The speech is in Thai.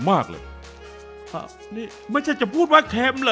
อาวะนี่ไม่ใช่จะบุ๊กวะแข็มเหรอ